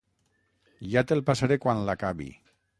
Ja te'l passaré quan l'acabi.